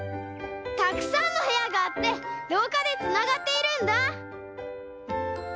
たくさんのへやがあってろうかでつながっているんだ。